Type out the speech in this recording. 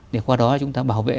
để qua đó chúng ta bảo vệ